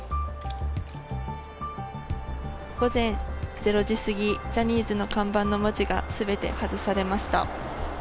午前０時過ぎ、ジャニーズの看板の文字がすべて外されました。